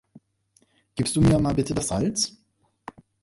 Gibst du mir mal bitte das Salz?